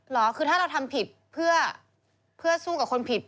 เหรอคือถ้าเราทำผิดเพื่อสู้กับคนผิด